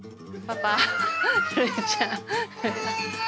パパ。